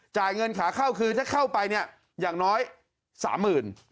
จ่ายเงินขาเข้าคือถ้าเข้าไปเนี่ยอย่างน้อย๓๐๐๐บาท